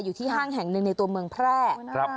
อยู่ที่ห้างแห่งหนึ่งในตัวเมืองแพร่